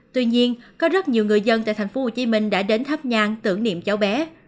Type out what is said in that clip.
tuy nhiên có rất nhiều người dân tại thành phố hồ chí minh đã đến tháp nhang tưởng niệm cháu bé